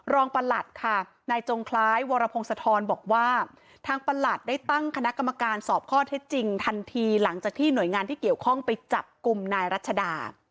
ลองประหลักค่ะไนย์จงคล้ายวรพงษ์สะท้อนบอกว่า